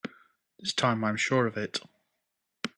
This time I'm sure of it!